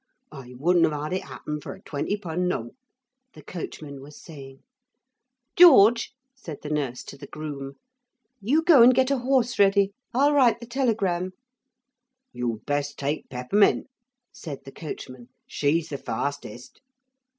'I wouldn't have had it happen for a twenty pun note,' the coachman was saying. 'George,' said the nurse to the groom, 'you go and get a horse ready. I'll write the telegram.' 'You'd best take Peppermint,' said the coachman. 'She's the fastest.'